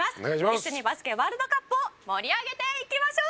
一緒にバスケワールドカップを盛り上げていきましょう！